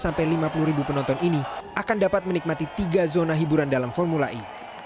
sampai lima puluh ribu penonton ini akan dapat menikmati tiga zona hiburan dalam formula e